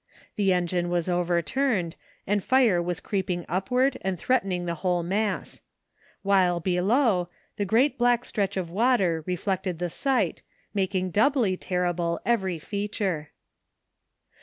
The engine was overturned and fire was creep ing upward and threatening the whole mass; while below, the great black stretch of water reflected the sight, making doubly terrible every feature.